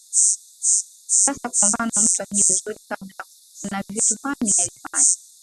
sasa kwa mfano mtu akijiuzulu kabla kuna vitu funny alifanya